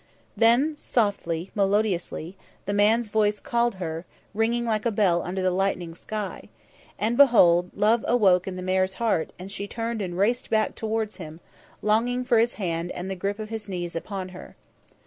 Then, softly, melodiously, the man's voice called her, ringing like a bell under the lightening sky, and behold, love awoke in the mare's heart and she turned and raced back towards him, longing for his hand and the grip of his knees upon her.